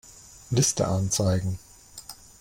Liste anzeigen.